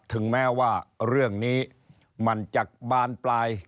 ถึงแม้ว่าเรื่องนี้มันจะบานปลาย